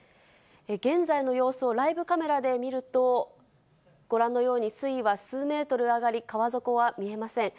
現在の様子をライブカメラで見ると、ご覧のように、水位は数メートル上がり、川底は見えません。